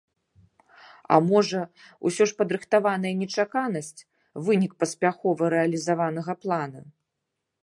А можа, усё ж падрыхтаваная нечаканасць, вынік паспяхова рэалізаванага плана?